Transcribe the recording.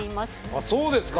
あっそうですか。